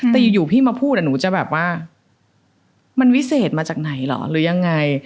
แต่อยู่พี่มาพูดมันวิเศษมาจากไหนหรอหรือยังไง